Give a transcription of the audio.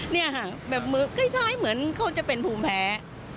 นี่ค่ะคล้ายเหมือนเขาจะเป็นภูมิแพ้